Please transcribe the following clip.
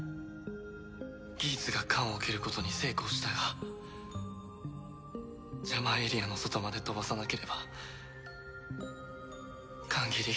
ギーツが缶を蹴ることに成功したがジャマーエリアの外まで飛ばさなければ缶蹴り